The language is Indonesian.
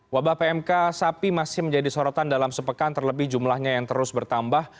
wabah pmk sapi masih menjadi sorotan dalam sepekan terlebih jumlahnya yang terus bertambah